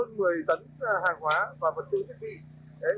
mang theo rất là lớn hơn một mươi tấn hàng hóa và vật tư thiết bị